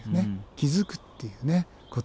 気づくっていうこと。